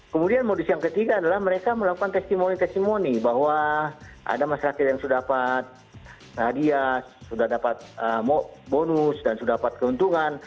kemudian modus yang ketiga adalah mereka melakukan testimoni testimoni bahwa ada masyarakat yang sudah dapat hadiah sudah dapat bonus dan sudah dapat keuntungan